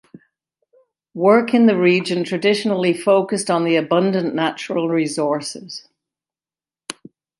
Work in the region traditionally focused on the abundant natural resources.